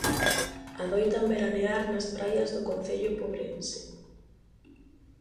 Adoitan veranear nas praias do concello pobrense.